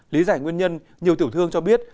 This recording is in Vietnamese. lý giải nguyên nhân nhiều tiểu thương cho biết